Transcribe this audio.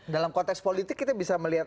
dalam konteks politik kita bisa melihat